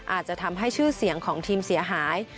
อาจจะทำให้ชื่อเสียงของทีมเสียหาย